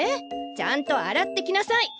ちゃんと洗ってきなさい！